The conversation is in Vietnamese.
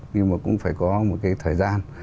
nhưng mà cũng phải có một cái thời gian